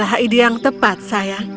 dan itu adalah ide yang tepat sayang